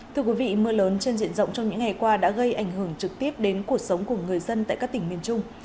thưa quý vị mưa lớn trên diện rộng trong những ngày qua đã gây ảnh hưởng trực tiếp đến cuộc sống của người dân tại các tỉnh miền trung